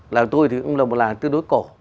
làng tôi thì cũng là một làng tương đối cổ